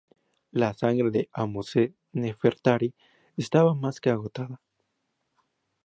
La sangre de Ahmose-Nefertari estaba más que agotada.